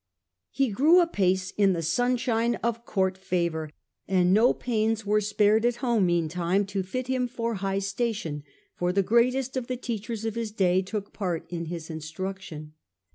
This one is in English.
He grew apace in the sunshine of court favour, and no pains were spared at home mean time to fit him for high station, for the greatest of the teachers of his day took part in his instruction.